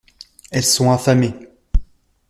Elles sont affamées.